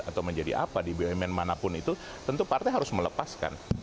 atau menjadi apa di bumn manapun itu tentu partai harus melepaskan